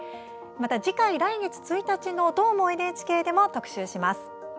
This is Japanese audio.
また、次回来月１日の「どーも、ＮＨＫ」でも特集します。